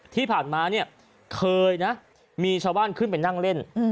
ที่ผ่านมาเนี่ยเคยนะมีชาวบ้านขึ้นไปนั่งเล่น